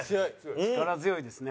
力強いですね。